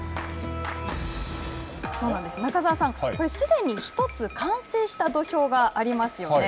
中澤さん、これすでに１つ完成した土俵がありますよね。